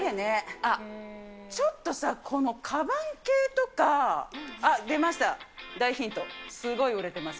あっ、ちょっとさ、このかばん系とか、あっ、出ました、大ヒント、すごい売れてます！